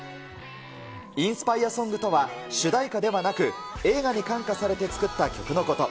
インスパイアソングとは、しゅだいかではなく映画に感化されて作った曲のこと。